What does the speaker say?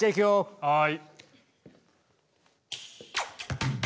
はい。